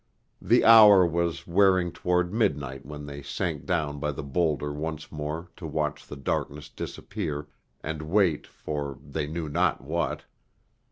The hour was wearing toward midnight when they sank down by the boulder once more to watch the darkness disappear, and wait for they knew not what.